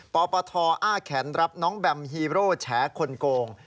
ปปทอ้าแขนรับน้องแบมฮีโร่แฉคนโกง